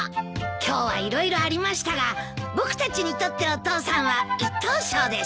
「今日は色々ありましたが僕たちにとってお父さんは１等賞です」